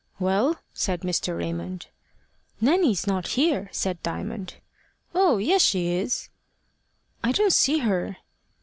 "Well?" said Mr. Raymond. "Nanny's not here," said Diamond. "Oh, yes, she is." "I don't see her."